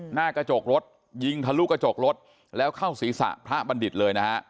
หน้ากระจกรถยิงทะลุกระจกรถแล้วเข้าศีรษะพระบัณฑิตเลยนะฮะ